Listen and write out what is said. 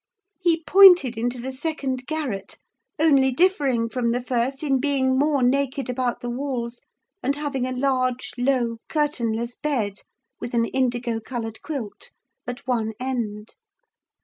He pointed into the second garret, only differing from the first in being more naked about the walls, and having a large, low, curtainless bed, with an indigo coloured quilt, at one end.